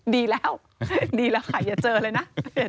ดีแล้วดีแล้วค่ะอย่าเจอเลยนะ